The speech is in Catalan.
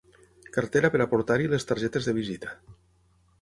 Cartera per a portar-hi les targetes de visita.